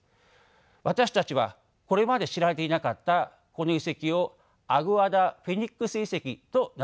私たちはこれまで知られていなかったこの遺跡をアグアダ・フェニックス遺跡と名付けました。